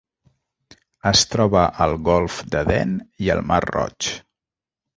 Es troba al Golf d'Aden i al Mar Roig.